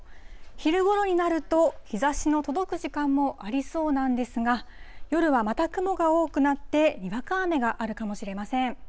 昼ごろになると、日ざしの届く時間もありそうなんですが、夜はまた雲が多くなって、にわか雨があるかもしれません。